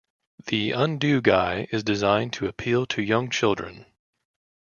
The Undo Guy is designed to appeal to young children.